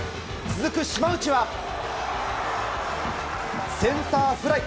続く島内はセンターフライ。